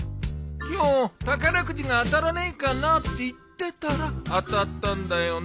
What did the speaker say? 今日宝くじが当たらねえかなあって言ってたら当たったんだよなあ。